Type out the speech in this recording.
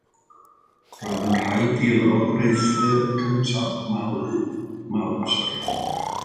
Roedd yn rhaid i lywodraethwyr cyntaf Malla ymdopi â sawl thrychineb.